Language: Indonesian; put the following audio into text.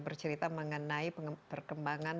bercerita mengenai perkembangan